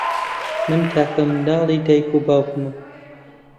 من تاکە منداڵی دایک و باوکمم.